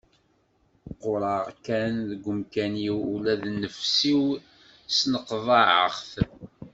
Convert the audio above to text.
Qqureɣ kan deg umkan-iw ula d nnefs-iw sneqḍaɛeɣ-t.